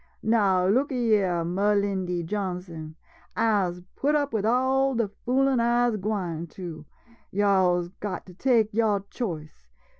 . Now, look yere, Melindy Jonsing — I 'se put up wid all de foolin' I 'se gwine to — yo' is got to take yo' choice.